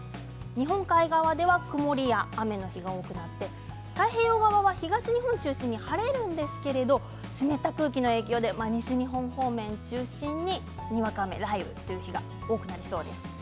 日本海側では曇りや雨の日が多くなって太平洋側は東日本中心に晴れるんですけれど湿った空気の影響で西日本方面を中心ににわか雨、雷雨という日が多くなりそうです。